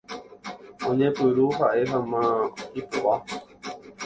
Oñepyrũ ha'eháma ipo'a.